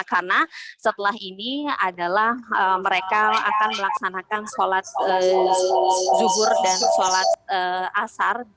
karena setelah ini adalah mereka akan melaksanakan sholat zuhur dan sholat asar